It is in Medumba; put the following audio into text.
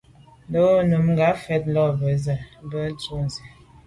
Tɔ̌ ngɔ́ nùngà mfɛ̀n lá bə́ zə̄ à’ bə́ á dʉ̀’ nsí.